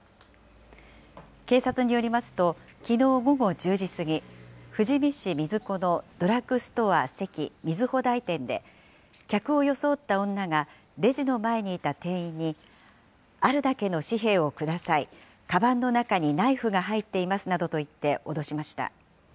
警察によりますと、きのう午後１０時過ぎ、富士見市水子のドラッグストアセキみずほ台店で、客を装った女がレジの前にいた店員に、あるだけの紙幣をください、かばんの中にナイフが入っていますなどと言って脅しました。